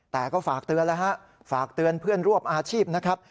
แต่ก็ฝากเตือนแล้วฮะฝากเตือนเพื่อนร่วมอาชีพนะครับ